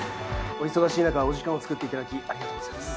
お忙しい中お時間をつくっていただきありがとうございます。